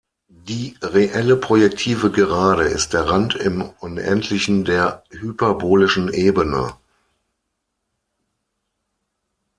Die reelle projektive Gerade ist der Rand im Unendlichen der hyperbolischen Ebene.